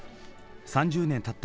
３０年たった